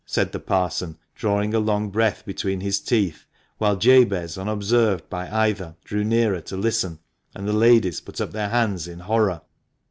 said the Parson, drawing a long breath between his teeth, while Jabez, unobserved by either, drew nearer to listen, and the ladies put up their hands in horror.